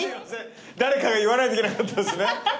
誰かが言わないといけなかったっすね。